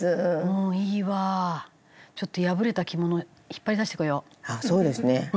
ちょっと破れた着物引っ張り出してこよう。